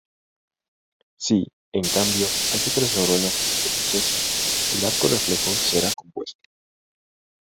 Si, en cambio, hay otras neuronas en este proceso, el arco reflejo será compuesto.